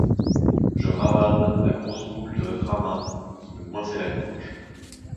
Je ravale la grosse boule de drama qui me coinçait la gorge.